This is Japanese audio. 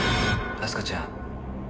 明日香ちゃん